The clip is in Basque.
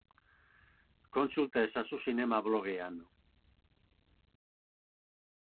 Kontsulta ezazu zinema blogean.